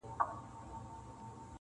دې مړۍ ته د ګیدړ ګېډه جوړيږي-